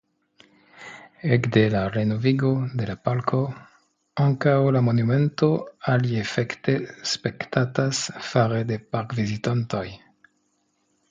Ekde la renovigo de la parko ankaŭ la monumento aliefekte spektatas fare de parkvizitantoj.